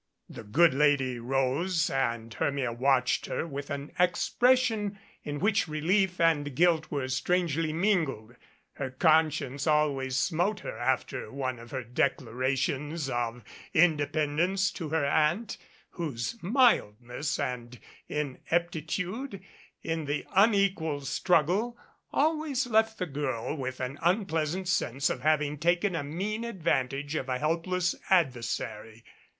The good lady rose and Hermia watched her with an expression in which relief and guilt were strangely min gled. Her conscience always smote her after one of her declarations of independence to her Aunt, whose mild ness and ineptitude in the unequal struggle always left the girl with an unpleasant sense of having taken a mean advantage of a helpless adversary.